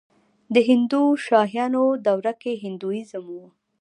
د هندوشاهیانو دوره کې هندویزم و